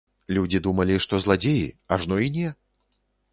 Людзі думалі, што зладзеі, ажно і не!